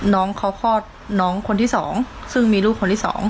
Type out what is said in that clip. น้องเขาคลอดน้องคนที่๒ซึ่งมีลูกคนที่๒